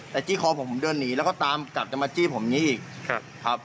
แต่จี้คอผมเดินหนีแล้วก็ตามกลับจะมาจี้ผมอย่างนี้อีก